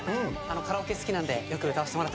カラオケ好きなんでよく歌わせてもらってました。